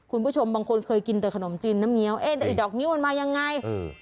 คุณผู้ชมบางคนเคยกินแต่ขนมจีนน้ำเงี้ยวเอ๊ะแต่ไอ้ดอกนิ้วมันมายังไงเออ